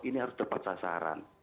ini harus tepat sasaran